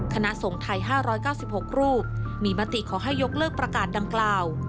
คณะทรงไทย๕๙๖รูปมีมติขอให้ยกเลิกประกาศดังกล่าว